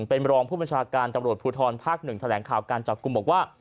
เป็นรองผู้บัญชาการตำรวจภูทรภาค๑แถลงข่าวการจับกลุ่มบอกว่า